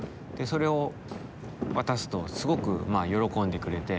それを渡すとすごく喜んでくれて。